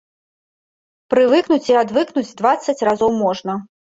Прывыкнуць і адвыкнуць дваццаць разоў можна.